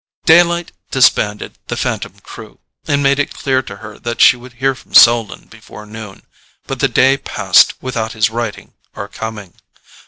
Daylight disbanded the phantom crew, and made it clear to her that she would hear from Selden before noon; but the day passed without his writing or coming.